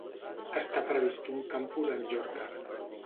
Està previst un campus en Llorca.